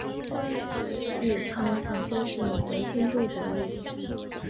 纪超曾经是国青队的一员。